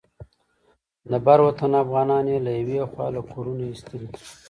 د بر وطن افغانان یې له یوې خوا له کورونو ایستلي.